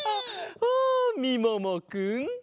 あみももくん。